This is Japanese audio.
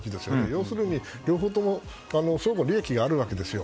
要するに両方とも双方利益があるわけですよ。